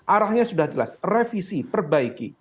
arahnya sudah jelas revisi perbaiki